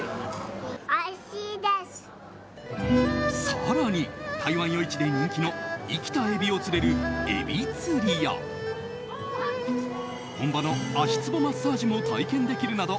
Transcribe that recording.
更に、台湾夜市で人気の生きたエビを釣れるエビ釣りや本場の足つぼマッサージも体験できるなど